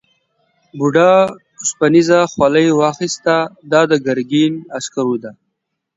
بوډا اوسپنيزه خولۍ واخیسته دا د ګرګین عسکرو ده.